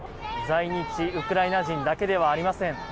在日ウクライナ人だけではありません。